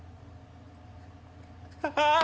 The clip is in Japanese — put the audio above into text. ああ！